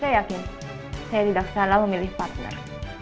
saya yakin saya tidak salah memilih partner